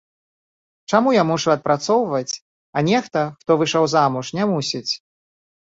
Чаму я мушу адпрацоўваць, а нехта, хто выйшаў замуж, не мусіць?